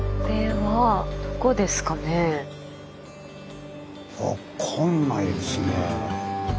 分かんないですね。